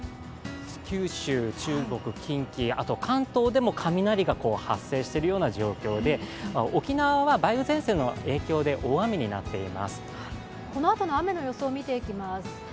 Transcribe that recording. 九州、中国、近畿、あと関東でも雷が発生しているような状況で沖縄は梅雨前線の影響でこのあとの雨の予想を見ていきます。